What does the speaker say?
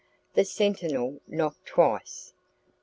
... The sentinel knocked twice!